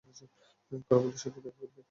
কাল আমার সাথে দেখা করবে।